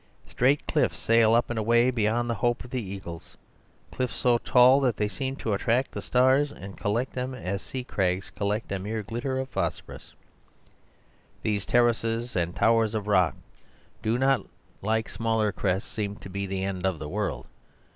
Straight cliffs sail up and away beyond the hope of the eagles; cliffs so tall that they seem to attract the stars and collect them as sea crags collect a mere glitter of phosphorous. These terraces and towers of rock do not, like smaller crests, seem to be the end of the world.